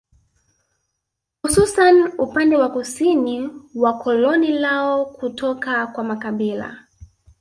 Hususan upande wa kusini wa koloni lao kutoka kwa makabila